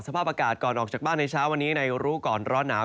สภาพอากาศก่อนออกจากบ้านในเช้าวันนี้ในรู้ก่อนร้อนหนาว